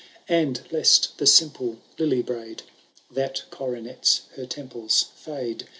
65 And, lest the simple lily braid. That coronets her temples, fiule.